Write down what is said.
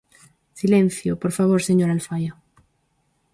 Silencio, por favor, señora Alfaia.